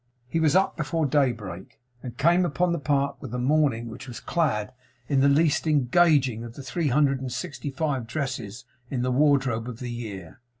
He was up before daybreak, and came upon the Park with the morning, which was clad in the least engaging of the three hundred and sixty five dresses in the wardrobe of the year.